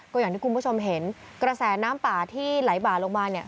ก็อย่างที่คุณผู้ชมเห็นกระแสน้ำป่าที่ไหลบ่าลงมาเนี่ย